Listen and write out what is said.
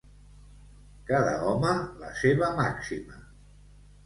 Cada home, la seva màxima.